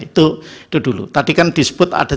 itu itu dulu tadi kan disebut ada